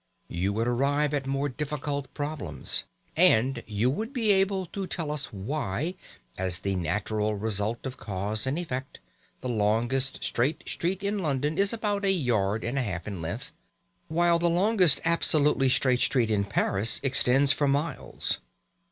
You would arrive at more difficult problems. And you would be able to tell us why, as the natural result of cause and effect, the longest straight street in London is about a yard and a half in length, while the longest absolutely straight street in Paris extends for miles.